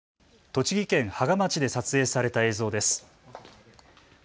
栃木県芳賀町で撮影された映像です。